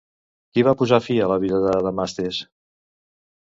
Qui va posar fi a la vida de Damastes?